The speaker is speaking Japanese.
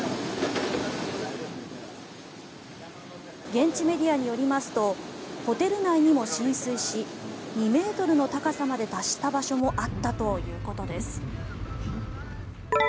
現地メディアによりますとホテル内にも浸水し２ｍの高さまで達した場所もあったということです。